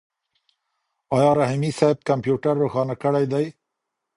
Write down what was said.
آیا رحیمي صیب کمپیوټر روښانه کړی دی؟